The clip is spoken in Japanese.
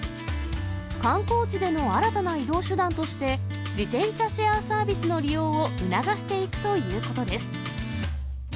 観光地での新たな移動手段として、自転車シェアサービスの利用を促していくということです。